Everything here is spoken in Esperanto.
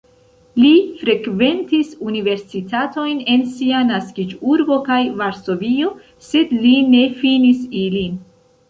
Li frekventis universitatojn en sia naskiĝurbo kaj Varsovio, sed li ne finis ilin.